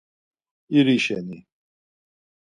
İri şeni.